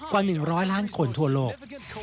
กว่า๑๐๐ล้านคนทั่วโลก